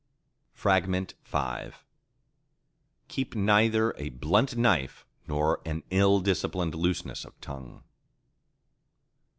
V Keep neither a blunt knife nor an ill disciplined looseness of tongue.